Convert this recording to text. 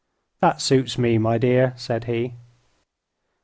"That suits me, my dear," said he.